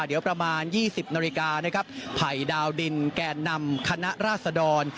เดี๋ยวประมาณ๒๐นาฬิกานะครับไผ่ดาวดินแก่นำคณะราษดร